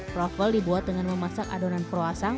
krovol dibuat dengan memasak adonan peruasang